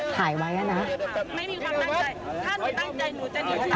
ถ่ายไว้นะ